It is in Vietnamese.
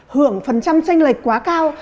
hưởng phần trăm tranh lệch quá cao